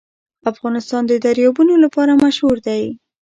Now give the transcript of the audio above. افغانستان د دریابونه لپاره مشهور دی.